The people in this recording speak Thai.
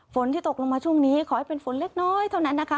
ฝนที่ตกลงมาช่วงนี้ขอให้เป็นฝนเล็กน้อยเท่านั้นนะคะ